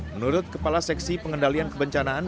menurut kepala seksi pengendalian kebencanaan